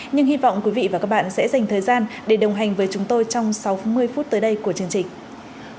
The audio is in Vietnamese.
nhưng hy vọng quý vị và các bạn sẽ dành thời gian để đồng hành với chúng tôi trong sáu mươi phút tới đây của chương trình